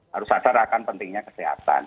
harus sadar akan pentingnya kesehatan